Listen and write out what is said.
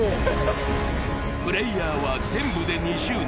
プレーヤーは全部で２０人。